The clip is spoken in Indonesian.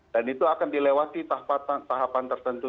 dan itu akan dilewati tahapan tertentu